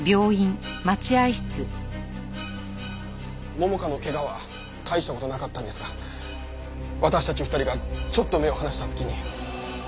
桃香の怪我は大した事なかったんですが私たち２人がちょっと目を離した隙に。